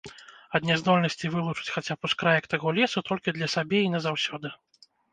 Ад няздольнасці вылучыць хаця б ускраек таго лесу толькі для сабе і назаўсёды.